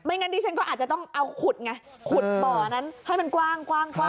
งั้นดิฉันก็อาจจะต้องเอาขุดไงขุดบ่อนั้นให้มันกว้าง